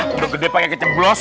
hah udah gede pake kejeblos